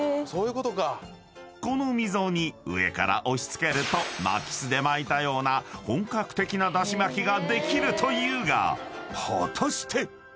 ［この溝に上から押し付けると巻きすで巻いたような本格的なだし巻きができるというが果たして？］